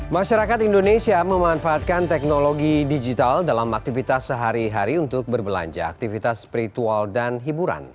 masyarakat indonesia memanfaatkan teknologi digital dalam aktivitas sehari hari untuk berbelanja aktivitas spiritual dan hiburan